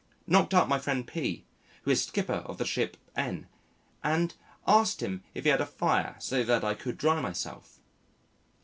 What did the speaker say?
Knocked up my friend P , who is skipper of the ship N and asked him if he had a fire so that I could dry myself.